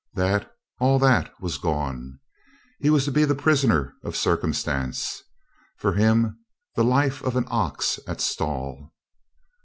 That, all that was gone. He was to be the prisoner of circum stance. For him the life of an ox at stall.